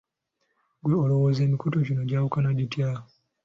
Ggwe olowooza emikutu gino gyawukana gitya?